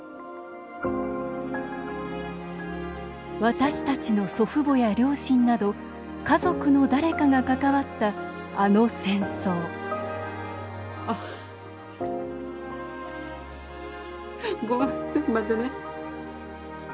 私たちの祖父母や両親など家族の誰かが関わったあの戦争ごめんちょっと待ってね。